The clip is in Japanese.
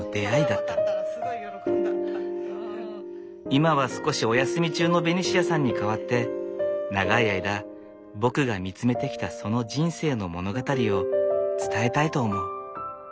今は少しおやすみ中のベニシアさんに代わって長い間僕が見つめてきたその人生の物語を伝えたいと思う。